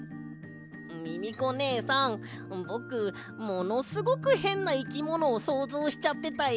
ミミコねえさんぼくものすごくへんないきものをそうぞうしちゃってたよ。